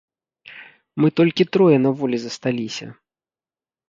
Мы толькі трое на волі засталіся!